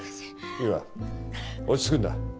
優愛落ち着くんだ。